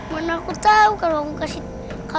mana aku tau kalo aku tau juga aku ngasih tau kamu